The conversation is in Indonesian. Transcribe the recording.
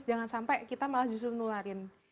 jangan sampai kita malah justru menularin